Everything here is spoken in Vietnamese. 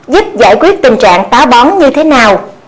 giúp giải quyết tình trạng phá bóng như thế nào